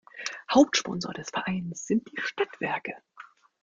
Hauptsponsor des Vereins sind die Stadtwerke.